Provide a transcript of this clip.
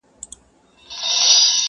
و قاضي صاحب ته ور کړې زر دیناره،